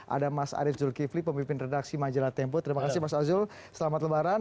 ada mas arief zulkifli pemimpin redaksi majalah tempo terima kasih mas azul selamat lebaran